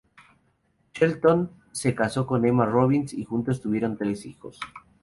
Shelton se casó con Emma Robins y juntos tuvieron tres hijos.